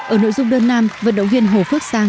ở nội dung đơn nam vận động viên hồ phước sang